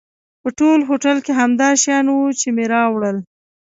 په ټول هوټل کې همدا شیان و چې مې راوړل.